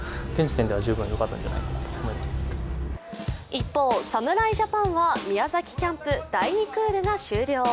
一方、侍ジャパンは宮崎キャンプ第２クールが終了。